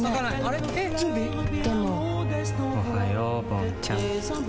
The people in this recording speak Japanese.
おはようぼんちゃん。